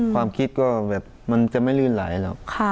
ความคิดก็แบบมันจะไม่ลื่นไหลหรอก